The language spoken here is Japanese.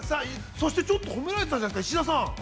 そしてちょっと褒められてたじゃないですか、石田さん。